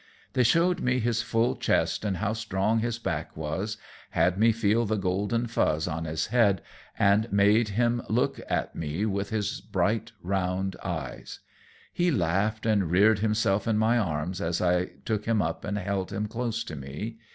They showed me his full chest and how strong his back was; had me feel the golden fuzz on his head, and made him look at me with his round, bright eyes. He laughed and reared himself in my arms as I took him up and held him close to me.